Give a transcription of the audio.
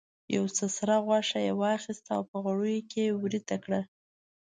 یو څه سره غوښه یې واخیسته او په غوړیو یې ویریته کړه.